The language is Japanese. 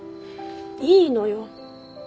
いいのよ。